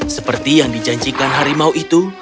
seperti yang dijanjikan harimau itu